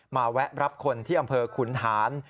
แวะรับคนที่อำเภอขุนหาร